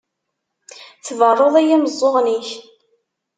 Tberruḍ i yimeẓẓuɣen-ik.